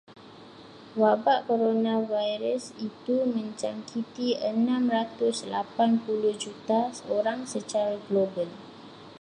Wabak koronavirus itu menjangkiti enam ratus lapan puluh juta orang secara global.